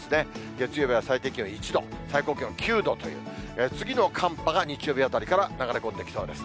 月曜日は最低気温１度、最高気温９度という、次の寒波が日曜日あたりから流れ込んできそうです。